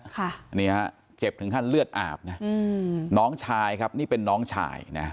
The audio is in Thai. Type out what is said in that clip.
ค่ะนี่ฮะเจ็บถึงขั้นเลือดอาบนะอืมน้องชายครับนี่เป็นน้องชายนะ